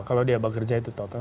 kalau dia bekerja itu total